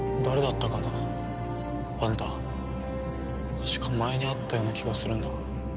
確か前に会ったような気がするんだが。